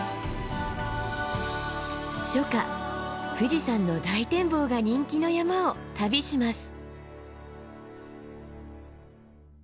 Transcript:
初夏富士山の大展望が人気の山を旅します。